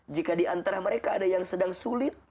jika diantara mereka ada yang sedang sulit